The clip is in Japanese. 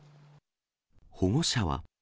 保護者は。